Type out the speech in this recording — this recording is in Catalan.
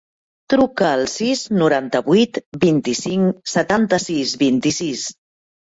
Truca al sis, noranta-vuit, vint-i-cinc, setanta-sis, vint-i-sis.